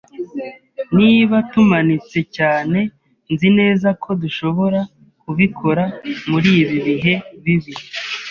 Niba tumanitse cyane, nzi neza ko dushobora kubikora muri ibi bihe bibi.